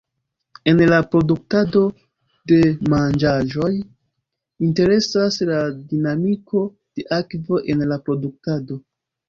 En la produktado de manĝaĵoj, interesas la dinamiko de akvo en la produktado.